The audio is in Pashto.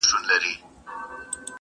حقيقت ورو ورو ښکاره کيږي تل,